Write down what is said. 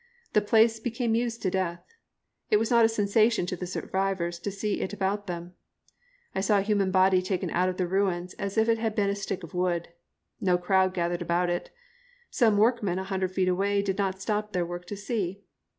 The place became used to death. It was not a sensation to the survivors to see it about them. I saw a human body taken out of the ruins as if it had been a stick of wood. No crowd gathered about it. Some workmen a hundred feet away did not stop their work to see.